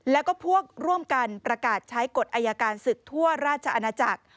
แล้วก็พวกร่วมกันประกาศใช้กฎอายการศึกทั่วราชอาณาจักร